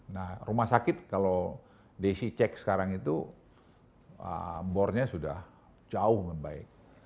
nah rumah sakit kalau dc cek sekarang itu bornya sudah jauh lebih baik